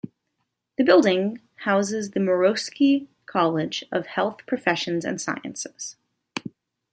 The building houses the Morosky College of Health Professions and Sciences.